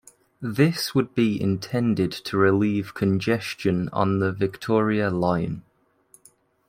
This would be intended to relieve congestion on the Victoria line.